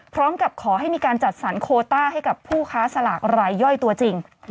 พร้อมกับขอให้มีการจัดสรรโคต้าให้กับผู้ค้าสลากรายย่อยตัวจริง